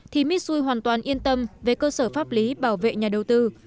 thì mitsui hoàn toàn yên tâm về cơ sở pháp lý bảo vệ nhà đầu tư